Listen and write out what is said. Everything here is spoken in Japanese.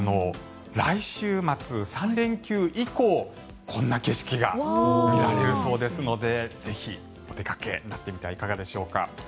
来週末、３連休以降こんな景色が見られるそうですのでぜひお出かけになってみてはいかがでしょうか。